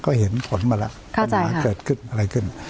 ก็เห็นผลมาแล้วปัญหาเกิดขึ้นอะไรขึ้น